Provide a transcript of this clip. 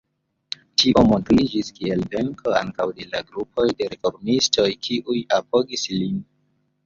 Tio montriĝis kiel venko ankaŭ de la grupoj de reformistoj kiuj apogis lin.